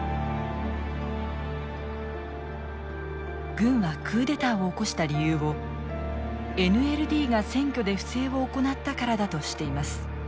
軍はクーデターを起こした理由をＮＬＤが選挙で不正を行ったからだとしています。